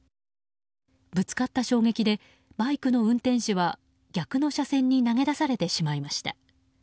ぶつかった衝撃でバイクの運転手は逆の車線に投げ出されてしまいました。